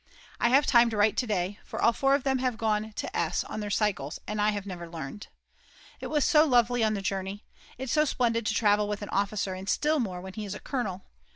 I have time to write to day, for all 4 of them have gone to S. on their cycles and I have never learned. It was lovely on the journey! It's so splendid to travel with an officer, and still more when he is a colonel.